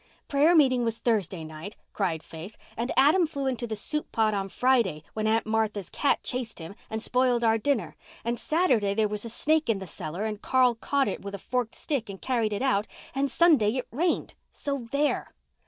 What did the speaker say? "Prayer meeting was Thursday night," cried Faith, "and Adam flew into the soup pot on Friday when Aunt Martha's cat chased him, and spoiled our dinner; and Saturday there was a snake in the cellar and Carl caught it with a forked stick and carried it out, and Sunday it rained. So there!"